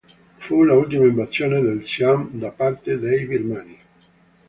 Fu l'ultima invasione del Siam da parte dei birmani.